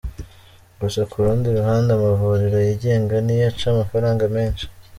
Gusa ku rundi ruhande amavuriro yigenga niyo aca amafaranga menshi.